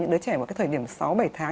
những đứa trẻ vào thời điểm sáu bảy tháng